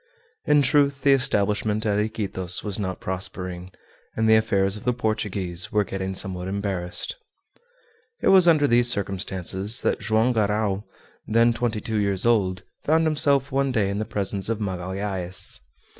In truth, the establishment at Iquitos was not prospering, and the affairs of the Portuguese were getting somewhat embarrassed. It was under these circumstances that Joam Garral, then twenty two years old, found himself one day in the presence of Magalhaës.